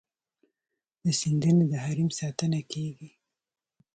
د سیندونو د حریم ساتنه کیږي؟